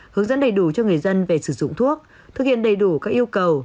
hướng dẫn đầy đủ cho người dân về sử dụng thuốc thực hiện đầy đủ các yêu cầu